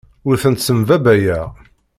Ur ten-ssembabbayeɣ.